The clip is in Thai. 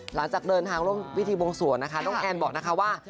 หลังจากเดินทางร่วมพิธีบวงสวงนะคะน้องแอนบอกนะคะว่า